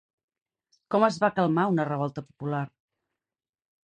Com es va calmar una revolta popular?